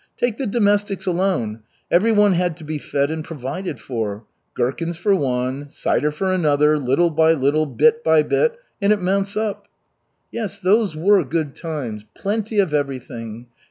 Take the domestics alone. Everyone had to be fed and provided for. Gherkins for one, cider for another, little by little, bit by bit, and it mounts up." "Yes, those were good times. Plenty of everything.